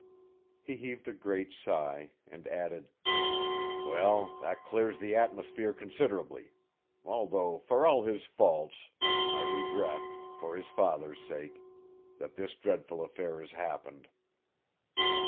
He heaved a great sigh, and added: "Well, that clears the atmosphere considerably, although for all his faults, I regret, for his father's sake, that this dreadful affair has happened.